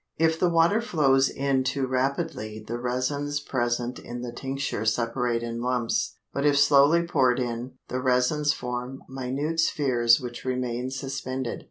If the water flows in too rapidly, the resins present in the tincture separate in lumps; but if slowly poured in, the resins form minute spheres which remain suspended.